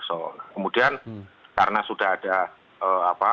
kemudian karena sudah ada apa